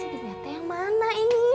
jadi teh yang mana ini